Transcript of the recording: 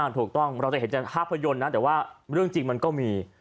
ถูกต้องเราจะเห็นจากภาพยนตร์นะแต่ว่าเรื่องจริงมันก็มี